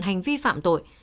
hành vi phạm tội